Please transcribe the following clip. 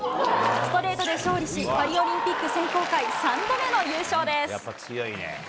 ストレートで勝利し、パリオリンピック選考会３度目の優勝です。